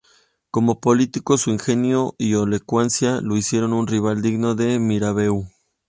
Como político, su ingenio y elocuencia le hicieron un rival digno de Mirabeau.